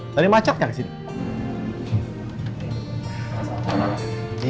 tadi macet gak di sini